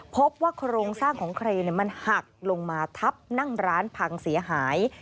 พบว่าโครงสร้างของเครนมันหักลงมาทับนั่งร้านพังเสียหาย